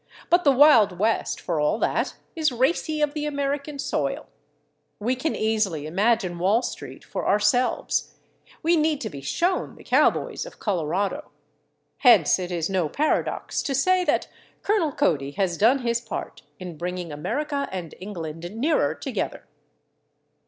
But the Wild West, for all that, is racy of the American soil. We can easily imagine Wall Street for ourselves; we need to be shown the cowboys of Colorado. Hence it is no paradox to say that Colonel Cody has done his part in bringing America and England nearer together.